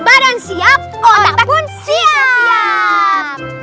badan siap otak pun siap